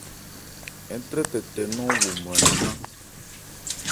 Ńtɛ́trɛ tɛɛ nɔn o mwrɛn nannán.